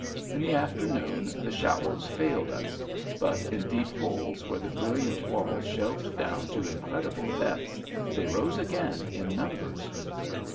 In the afternoon, the shallows failed us. But in deep holes where the brilliant walls shelved down to incredible depths, they rose again in numbers.